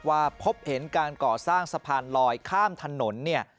ว่าพบเห็นการก่อสร้างสะพานลอยข้ามถนน